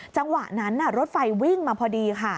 จังหวะนั้นรถไฟวิ่งมาพอดีค่ะ